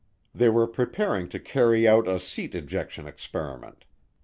They were preparing to carry out a seat ejection experiment.